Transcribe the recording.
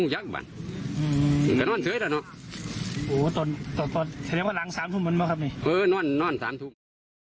ตาบเทศมาอีก